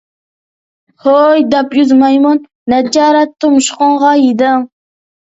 ھوي داپ يۈز مايمۇن! نەچچە رەت تۇمشۇقۇڭغا يېدىڭ.